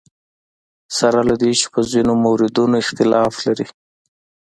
سره له دې چې په ځینو موردونو اختلاف لري.